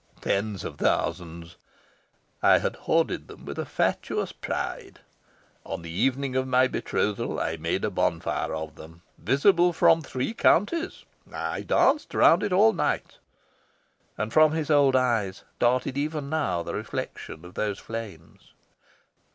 Tens of thousands. I had hoarded them with a fatuous pride. On the evening of my betrothal I made a bonfire of them, visible from three counties. I danced round it all night." And from his old eyes darted even now the reflections of those flames.